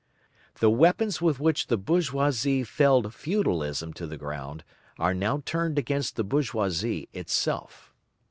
The weapons with which the bourgeoisie felled feudalism to the ground are now turned against the bourgeoisie itself.